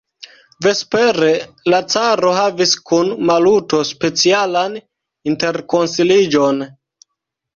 Vespere la caro havis kun Maluto specialan interkonsiliĝon.